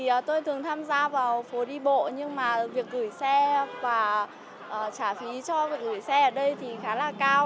thì tôi thường tham gia vào phố đi bộ nhưng mà việc gửi xe và trả phí cho việc gửi xe ở đây thì khá là cao